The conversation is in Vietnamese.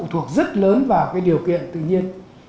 họ rất lớn vào điều kiện tự nhiên